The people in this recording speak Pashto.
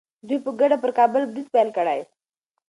دوی به په ګډه پر کابل برید پیل کړي.